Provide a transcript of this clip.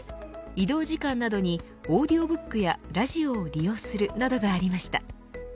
移動時間などにオーディオブックやラジオを利用するなどがありました。